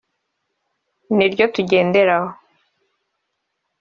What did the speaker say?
ni ryo tugenderaho